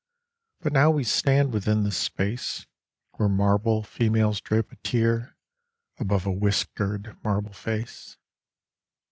But now we stand within the space, Where marble females drape a tear Above a whisker' d marble face.